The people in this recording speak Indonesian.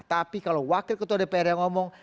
tapi kalau wakil ketua dpr yang ngomong